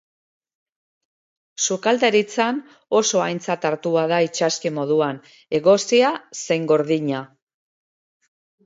Sukaldaritzan oso aintzat hartua da itsaski moduan, egosia zein gordina.